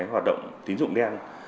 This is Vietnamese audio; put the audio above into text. hoạt động tín dụng đen